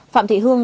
phạm thị hương